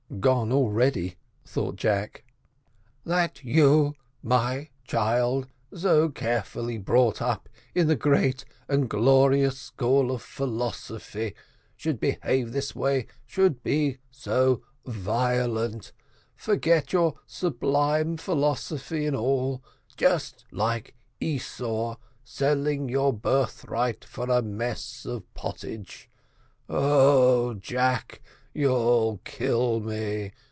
"Gone already," thought Jack. "That you, my child, so carefully brought up in the great and glorious school of philosophy, should behave this way should be so violent forget your sublime philosophy, and all just like Esau, selling your birthright for a mess of pottage. Oh, Jack, you'll kill me!